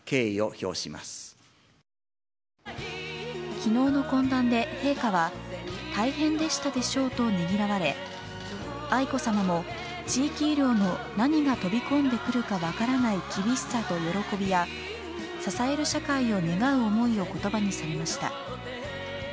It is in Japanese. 昨日の懇談で、陛下は大変でしたでしょうとねぎらわれ愛子さまも地域医療の何が飛び込んでくるか分からない厳しさと喜びや支える社会を願う思いを言葉にされました。